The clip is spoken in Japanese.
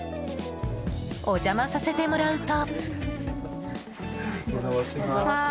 お邪魔させてもらうと。